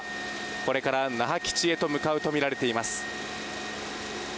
これから那覇基地へと向かうとみられています。